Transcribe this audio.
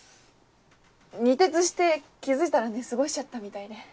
二徹して気付いたら寝過ごしちゃったみたいで。